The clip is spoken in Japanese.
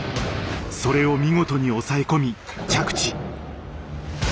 それを見事に押さえ込み着地。